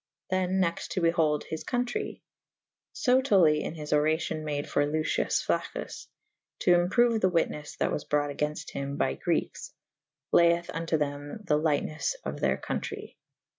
Than next to behold his contrey. So Tully in his oracion made for Lucius Flaccz^.! to improue the wytnes that was brought agaynft hvm by Grekes / layth vnto the»z the lyghtnes of theyr co«trey.